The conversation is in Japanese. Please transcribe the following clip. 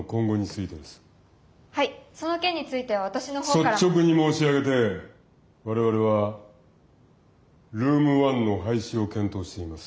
率直に申し上げて我々はルーム１の廃止を検討しています。